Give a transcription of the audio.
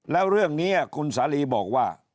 แล้วเรื่องนี้คุณสาลีบอกว่า